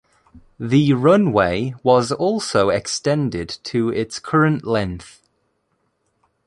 The runway was also extended to its current length.